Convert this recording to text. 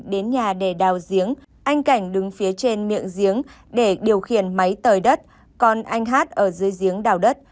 để đào giếng anh cảnh đứng phía trên miệng giếng để điều khiển máy tới đất còn anh hát ở dưới giếng đào đất